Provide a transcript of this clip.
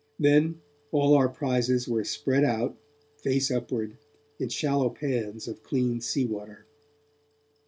Then all our prizes were spread out, face upward, in shallow pans of clean sea water.